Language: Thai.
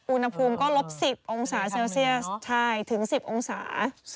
อุณหภูมิก็ลบ๑๐องศาเซลเซียสถึง๑๐องศา